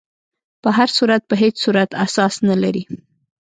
په هر صورت په هیڅ صورت اساس نه لري.